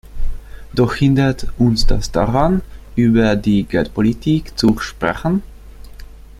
Doch hindert uns das daran, über die Geldpolitik zu sprechen?